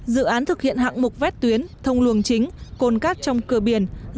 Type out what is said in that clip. dự án thực hiện hạng mục vét tuyến thông luồng chính côn cát trong cửa biển